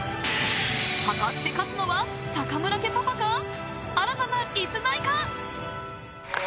果たして勝つのは坂村家パパか、新たな逸材か？